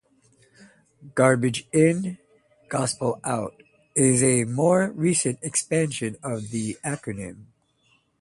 "Garbage in, gospel out" is a more recent expansion of the acronym.